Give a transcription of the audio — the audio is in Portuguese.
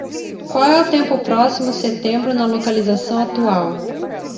Qual é o tempo próximo setembro na localização atual?